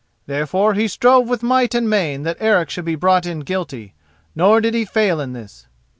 Therefore he strove with might and main that Eric should be brought in guilty, nor did he fail in this.